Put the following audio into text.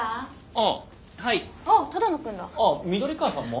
あっ緑川さんも？